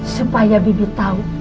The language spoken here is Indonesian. supaya bibi tahu